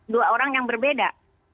dua orang yang berbeda